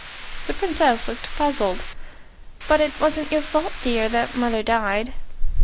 The Princess looked puzzled. "But it wasn't your fault, dear, that mother died."